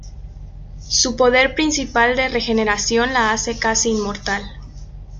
Su poder principal de regeneración la hace casi inmortal.